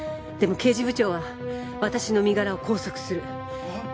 でも刑事部長は私の身柄を拘束する。